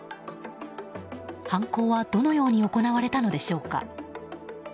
犯行はどのように行われたのでしょうか。